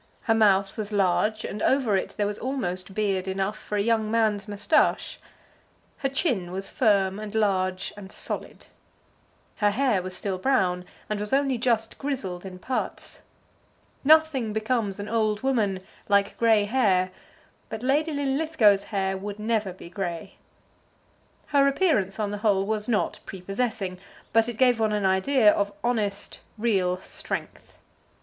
Her mouth was large, and over it there was almost beard enough for a young man's moustache. Her chin was firm, and large, and solid. Her hair was still brown, and was only just grizzled in parts. Nothing becomes an old woman like grey hair, but Lady Linlithgow's hair would never be grey. Her appearance on the whole was not pre possessing, but it gave one an idea of honest, real strength.